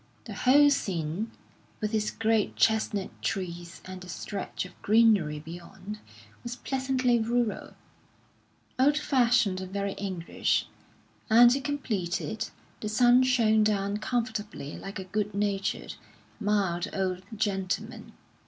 The whole scene, with its great chestnut trees, and the stretch of greenery beyond, was pleasantly rural, old fashioned and very English; and to complete it, the sun shone down comfortably like a good natured, mild old gentleman.